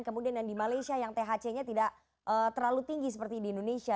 kemudian yang di malaysia yang thc nya tidak terlalu tinggi seperti di indonesia